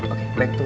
oke baik tuh